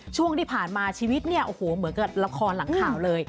ช่วงที่ผ่านมาชีวิตเนี่ยโอ้โหเหมือนกับละครหลังข่าวเลย